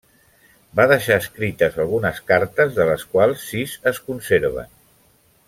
Va deixar escrites algunes cartes de les quals sis es conserven.